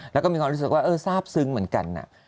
แล้วก็มีความรู้สึกว่าทราบซึ้งเหมือนกัน